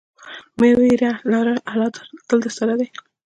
مه ویره لره، الله تل درسره دی.